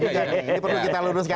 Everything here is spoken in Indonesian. ini perlu kita luruskan